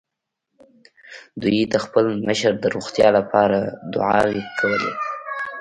دوی د خپل مشر د روغتيا له پاره دعاوې کولې.